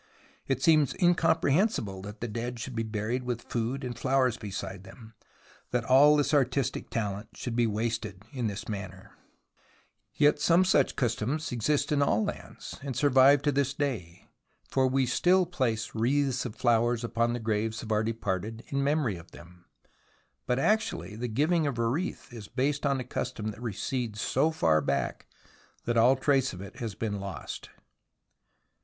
It seems incomprehensible that the dead should be buried with food and flowers beside them, that all this artistic talent should be wasted in this manner. THE ROMANCE OF EXCAVATION 47 Yet some such customs exist in all lands, and survive to this day, for we still place wreaths of flowers on the graves of our departed in memory of them, but actually the giving of a wreath is based on a custom that recedes so far back that all trace of it has been lost.